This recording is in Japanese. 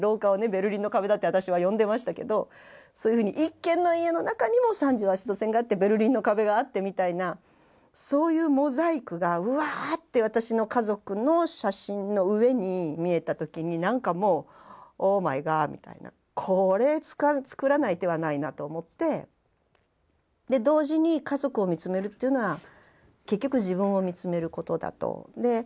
ベルリンの壁だって私は呼んでましたけどそういうふうに１軒の家の中にも３８度線があってベルリンの壁があってみたいなそういうモザイクがわって私の家族の写真の上に見えた時に何かもうオーマイガーみたいなこれ作らない手はないなと思ってで同時に家族を見つめるっていうのは結局自分を見つめることだと。